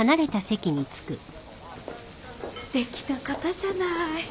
すてきな方じゃない。